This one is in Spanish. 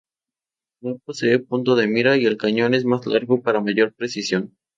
No posee punto de mira y el cañón es más largo para mayor precisión.